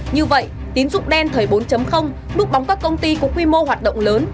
như vậy tín dụng đen thời bốn bút bóng các công ty của quy mô hoạt động lớn